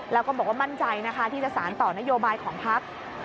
แล้วก็บอกว่ามั่นใจนะคะที่จะสารต่อนโยบายของพัก